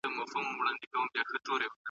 ستا د سترګو جام مي